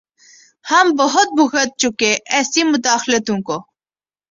ہم بہت بھگت چکے ایسی مداخلتوں کو۔